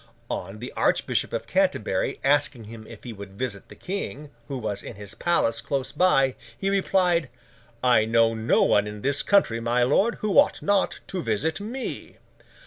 On the Archbishop of Canterbury, asking him if he would visit the King, who was in his palace close by, he replied, 'I know no one in this country, my lord, who ought not to visit me.